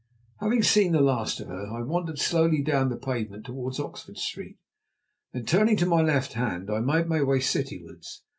Having seen the last of her I wandered slowly down the pavement towards Oxford Street, then turning to my left hand, made my way citywards.